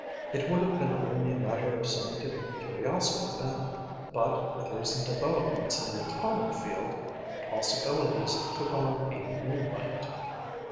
It would have been only a matter of scientific curiosity then, but with recent developments in the atomic field, the possibilities took on a new light."